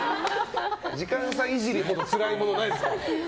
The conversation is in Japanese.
時間差イジりほどつらいものないですから。